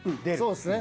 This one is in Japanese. そうっすね。